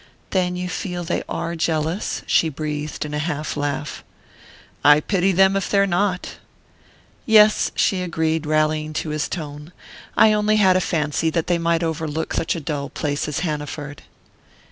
"Then you feel they are jealous?" she breathed, in a half laugh. "I pity them if they're not!" "Yes," she agreed, rallying to his tone. "I only had a fancy that they might overlook such a dull place as Hanaford."